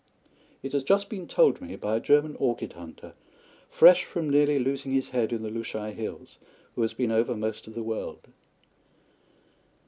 It has just been told me by a German orchid hunter, fresh from nearly losing his head in the Lushai hills, who has been over most of the world.